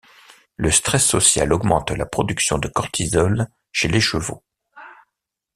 Le stress social augmente la production de cortisol chez les chevaux.